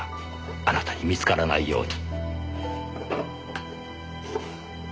あなたに見つからないように。